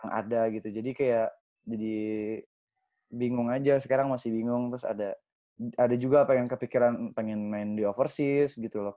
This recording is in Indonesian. yang ada gitu jadi kayak jadi bingung aja sekarang masih bingung terus ada juga pengen kepikiran pengen main di oversis gitu loh